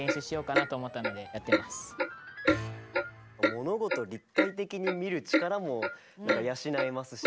物事を立体的に見る力も養えますし。